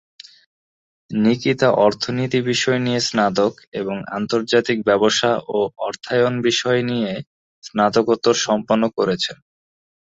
নিকিতা অর্থনীতি বিষয় নিয়ে স্নাতক এবং আন্তর্জাতিক ব্যবসা ও অর্থায়ন বিষয় নিয়ে স্নাতকোত্তর সম্পন্ন করেছেন।